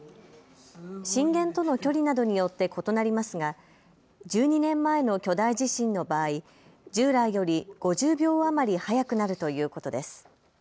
震源との距離などによって異なりますが１２年前の巨大地震の場合、従来より５０秒余り早くなるということです。